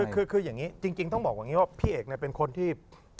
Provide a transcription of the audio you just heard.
คืออย่างนี้จริงต้องบอกอย่างนี้ว่าพี่เอกเป็นคนที่